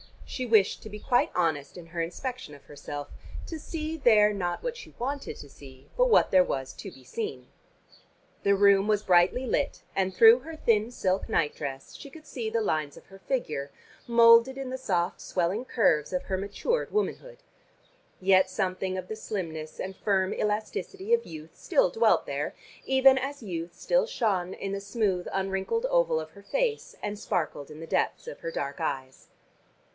She wished to be quite honest in her inspection of herself, to see there not what she wanted to see but what there was to be seen. The room was brightly lit, and through her thin silk nightdress she could see the lines of her figure, molded in the soft swelling curves of her matured womanhood. Yet something of the slimness and firm elasticity of youth still dwelt there, even as youth still shone in the smooth unwrinkled oval of her face and sparkled in the depths of her dark eyes.